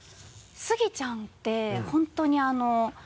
スギちゃんって本当に。